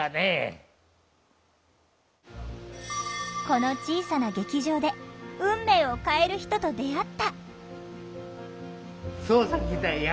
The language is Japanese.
この小さな劇場で運命を変える人と出会った！